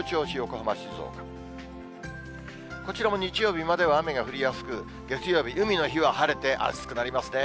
こちらも日曜日までは雨が降りやすく、月曜日、海の日は晴れて暑くなりますね。